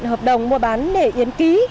hợp đồng mua bán để yến ký